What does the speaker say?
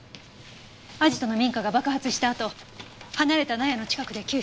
アジトの民家が爆発したあと離れた納屋の近くで救出された。